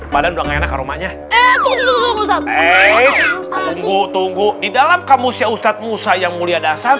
badan enggak enak rumahnya tunggu tunggu di dalam kamusnya ustadz musa yang mulia dasar